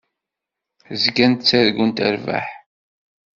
Zgant ttargunt rrbeḥ.